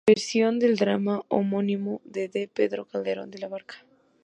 Versión del drama homónimo de D. Pedro Calderón de la Barca.